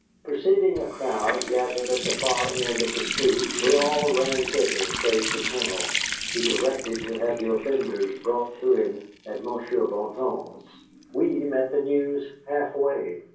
Perceiving a crowd gathered at the far end of the street, we all ran thither save the Colonel, who directed to have the offenders brought to him at Monsieur Bouton's. We met the news halfway.